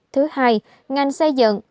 thứ hai ngành xây dựng